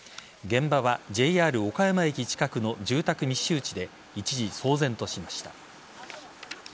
現場はＪＲ岡山駅近くの住宅密集地で一時騒然としました。